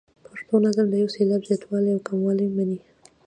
پښتو نظم د یو سېلاب زیاتوالی او کموالی مني.